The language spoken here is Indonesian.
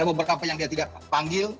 ada beberapa yang dia tidak panggil